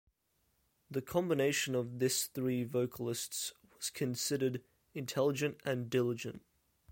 The combination of this three vocalists was considered "intelligent" and "diligent.